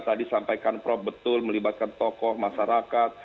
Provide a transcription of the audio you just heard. tadi sampaikan prof betul melibatkan tokoh masyarakat